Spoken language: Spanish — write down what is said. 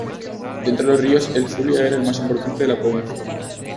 Dentro de los ríos, el Zulia era el más importante de la provincia.